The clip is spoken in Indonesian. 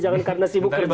jangan karena sibuk kerja